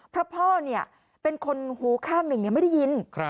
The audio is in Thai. เพราะพ่อเป็นคนหูข้างหนึ่งไม่ได้ยิน